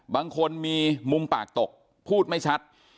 บางคนมีมุมปากตกพูดไม่ชัด